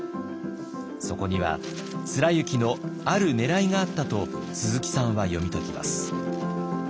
そこには貫之のあるねらいがあったと鈴木さんは読み解きます。